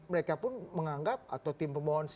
mereka pun menganggap atau tim pemohon